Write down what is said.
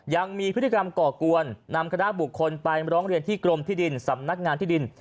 ยังมีพฤติกรรมก่อกวนนำคณะบุคคลไปร้องเรียนที่กรมที่ดินสำนักงานที่ดิน